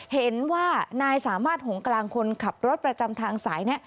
เห็นว่านายสามารถหงกลางคนขับรถประจำทางสายนี้